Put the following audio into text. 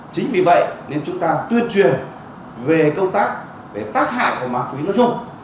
chính vì vậy nên chúng ta tuyên truyền về công tác về tác hại của ma túy nó dùng